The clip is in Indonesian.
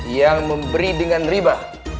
yang memberi dengan riba